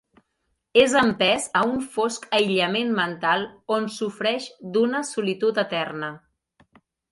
És empès a un fosc aïllament mental on sofreix d'una solitud eterna.